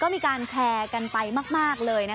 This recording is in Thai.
มีการแชร์ไว้ขึ้นมากเลย